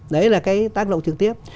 đấy là cái tác động trực tiếp